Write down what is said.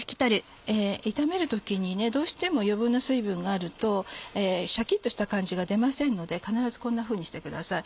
炒める時にどうしても余分な水分があるとシャキっとした感じが出ませんので必ずこんなふうにしてください。